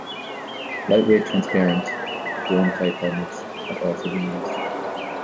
Light-weight transparent dome type helmets have also been used.